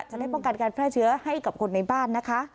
จะได้ป้องกันการแพร่เชื้อให้กับคนในบ้านนะคะ